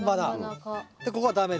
ここは駄目だ？